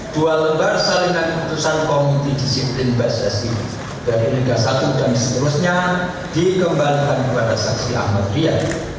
dua lembar salingan keputusan komiti disiplin basasi dari liga satu dan seterusnya dikembalikan kepada saksi ahmad ria